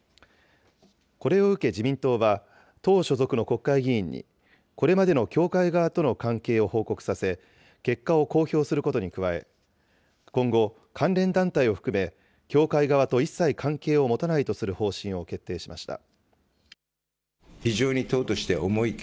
これを受け自民党は、党所属の国会議員に、これまでの教会側との関係を報告させ、結果を公表することに加え、今後、関連団体を含め、教会側と一切関係を持たないとする方針を決定しました。